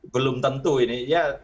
belum tentu ini